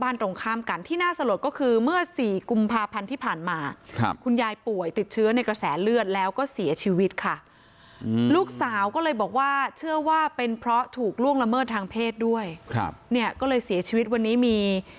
ล่วงละเมิดทางเพศด้วยก็เลยเสียชีวิตวันนี้มี